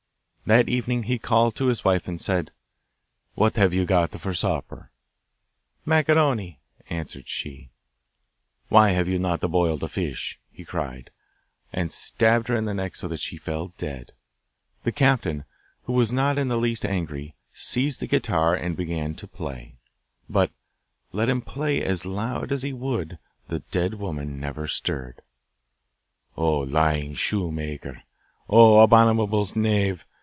That evening he called to his wife and said, 'What have you got for supper?' 'Macaroni,' answered she. 'Why have you not boiled a fish?' he cried, and stabber in the neck so that she fell dead. The captain, who was not in the least angry, seized the guitar and began to play; but, let him play as loud as he would, the dead woman never stirred. 'Oh, lying shoemaker! Oh, abominable knave!